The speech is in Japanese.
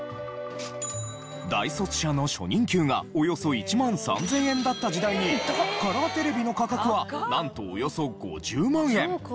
大卒者の初任給がおよそ１万３０００円だった時代にカラーテレビの価格はなんとおよそ５０万円！